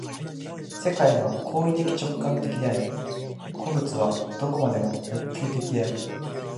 世界は行為的直観的であり、個物は何処までも欲求的である。